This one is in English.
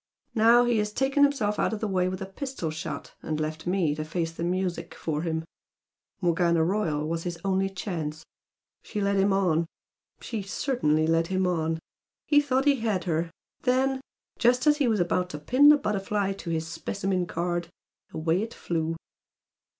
Now he has taken himself out of the way with a pistol shot, and left me to face the music for him. Morgana Royal was his only chance. She led him on, she certainly led him on. He thought he had her, then just as he was about to pin the butterfly to his specimen card, away it flew!"